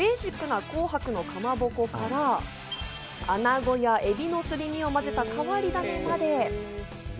中にはベーシックな紅白のかまぼこからアナゴやエビのすり身を混ぜた変わり種まで。